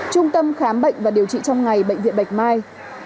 trung tâm khám bệnh và điều trị trong ngày bệnh viện bạch mai